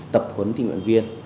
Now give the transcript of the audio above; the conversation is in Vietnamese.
tập huấn tình nguyện viên